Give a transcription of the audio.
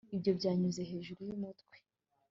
ibyo byanyuze hejuru yumutwe